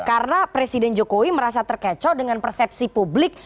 karena presiden jokowi merasa terkecoh dengan persepsi publik